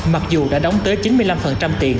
mặc dù đã đóng tới chín mươi năm tiền